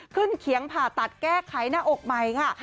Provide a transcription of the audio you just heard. เขียงผ่าตัดแก้ไขหน้าอกใหม่ค่ะ